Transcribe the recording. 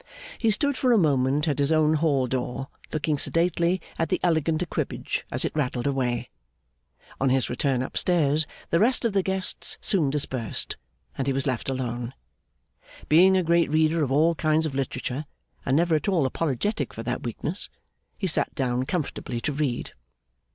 He stood for a moment at his own hall door, looking sedately at the elegant equipage as it rattled away. On his return up stairs, the rest of the guests soon dispersed, and he was left alone. Being a great reader of all kinds of literature (and never at all apologetic for that weakness), he sat down comfortably to read.